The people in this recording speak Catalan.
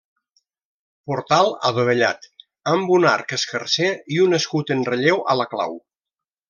Portal adovellat amb un arc escarser i un escut en relleu a la clau.